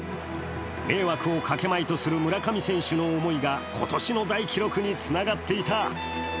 迷惑をかけまいとする村上選手の思いが今年の大記録につながっていた。